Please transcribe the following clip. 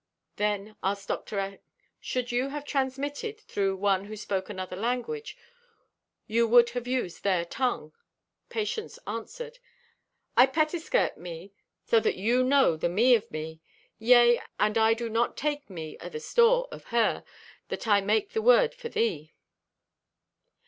"Then," asked Dr. X., "should you have transmitted through one who spoke another language you would have used their tongue?" Patience answered: "I pettiskirt me so that ye know the me of me. Yea, and I do to take me o' the store o' her that I make me word for thee."